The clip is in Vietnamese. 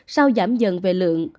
sau giảm dần về lượng